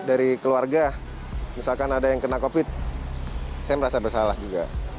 dari keluarga misalkan ada yang kena covid saya merasa bersalah juga